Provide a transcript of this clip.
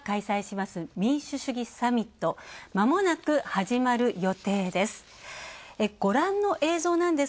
まもなく始まる予定です。